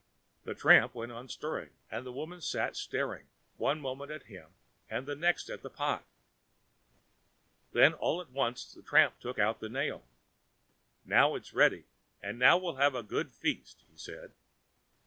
The tramp went on stirring, and the woman sat staring, one moment at him and the next at the pot. Then all at once the tramp took out the nail. "Now it's ready, and now we'll have a real good feast," he said.